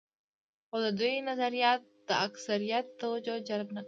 خو د دوی نظریاتو د اکثریت توجه جلب نه کړه.